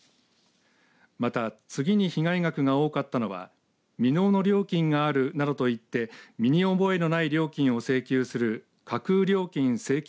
また、次に被害額が多かったのは未納の料金があるなどと言って身に覚えのない料金を請求する架空料金請求